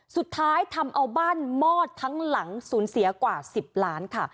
ทำเอาบ้านมอดทั้งหลังสูญเสียกว่า๑๐ล้านค่ะ